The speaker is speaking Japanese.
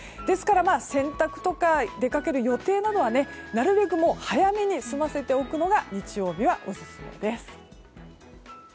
ですから洗濯とか出かける予定などは早めに済ませておくのが日曜日はオススメです。